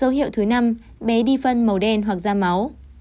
dấu hiệu thứ năm bé đi phân màu đen hoặc da máu